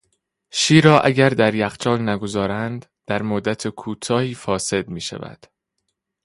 شیر را اگر در یخچال نگذارند در مدت کوتاهی فاسد میشود.